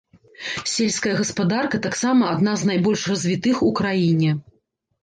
Сельская гаспадарка таксама адна з найбольш развітых у краіне.